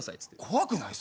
怖くない？